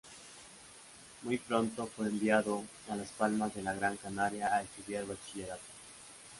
Muy pronto fue enviado a Las Palmas de Gran Canaria a estudiar bachillerato.